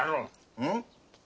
うん？